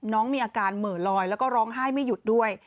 น้องมีอาการเหมือลอยแล้วก็ร้องไห้ไม่หยุดด้วย